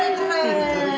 ya mbak putri